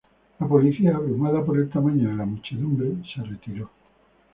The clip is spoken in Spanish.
La policía, abrumada por el tamaño de la muchedumbre, se retiró.